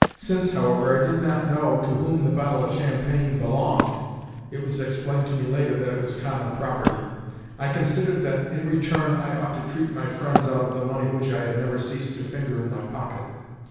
Since, however, I did not know to whom the bottle of champagne belonged (it was explained to me later that it was common property), I considered that, in return, I ought to treat my friends out of the money which I had never ceased to finger in my pocket.